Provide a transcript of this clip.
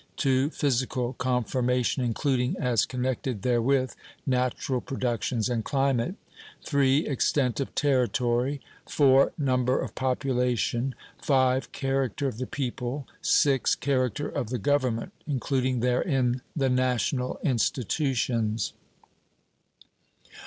II. Physical Conformation, including, as connected therewith, natural productions and climate. III. Extent of Territory. IV. Number of Population. V. Character of the People. VI. Character of the Government, including therein the national institutions.